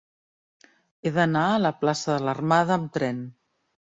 He d'anar a la plaça de l'Armada amb tren.